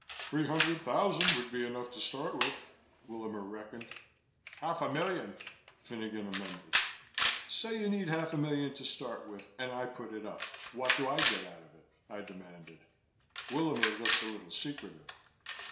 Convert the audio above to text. "Three hundred thousand would be enough to start with," Willamer reckoned. "Half a million," Finogan amended. "Say you need half a million to start with and I put it up, what do I get out of it?" I demanded. Willamer looked a little secretive.